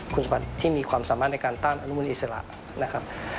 คุณสมบัติที่มีความสามารถในการต้านอนุมูลอิสระนะครับ